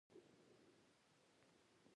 افغانستان په خپلو انګورو باندې پوره تکیه لري.